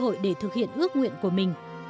họ đã có cơ hội để thực hiện ước nguyện của mình